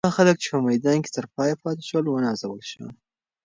هغه خلک چې په میدان کې تر پایه پاتې شول، ونازول شول.